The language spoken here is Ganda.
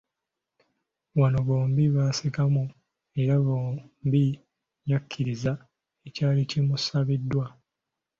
Wano bombi baasekamu era Bob yakkiriza ekyali kimusabiddwa.